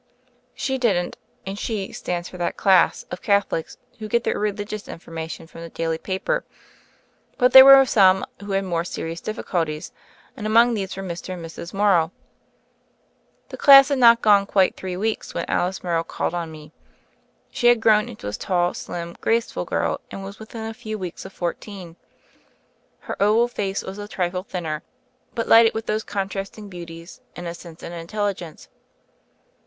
She didn't, and "she" stands for that class of Catholics who get their religious informa tion from the daily paper. But there were some who had more serious difficulties, and among these were Mr. and Mrs. Morrow. The class had not gone quite three weeks, when Alice Morrow called on me. She had grown into a tall, slim, graceful girl and was within a few weeks of fourteen. Her oval face THE FAIRY OF THE SNOWS 95 was a trifle thinner, but lighted with those coiv trasting beauties, innocence and intelligence.